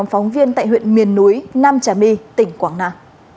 phóng viên tại huyện miền núi nam trà my tỉnh quảng nam